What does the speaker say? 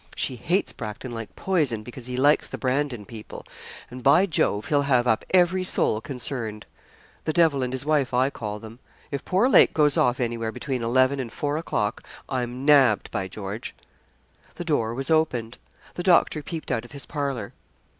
She hates Bracton like poison, because he likes the Brandon people; and, by Jove, he'll have up every soul concerned. The Devil and his wife I call them. If poor Lake goes off anywhere between eleven and four o'clock, I'm nabbed, by George!' The door was opened. The doctor peeped out of his parlour.